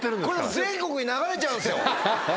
これ全国に流れちゃうんですよ。